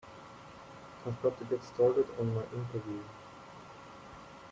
I've got to get started on my interview.